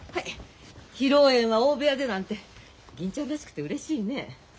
披露宴は大部屋でなんて銀ちゃんらしくてうれしいねえ。